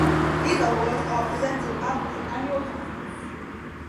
These awards are presented at the annual conference.